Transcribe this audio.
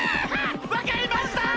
わかりました！